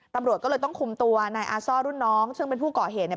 ตำรวจก็เลยต้องคุมตัวนายอาซ่อรุ่นน้องซึ่งเป็นผู้ก่อเหตุเนี่ย